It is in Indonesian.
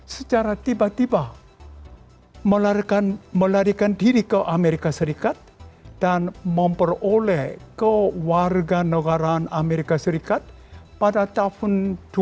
secara tiba tiba melarikan diri ke amerika serikat dan memperoleh ke warga negaraan amerika serikat pada tahun dua ribu dua